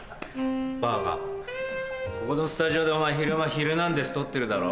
バカここのスタジオで昼間『ヒルナンデス！』撮ってるだろ。